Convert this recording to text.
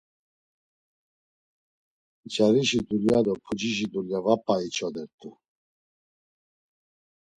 Carişi dulya do pucişi dulya va p̌a içodert̆u.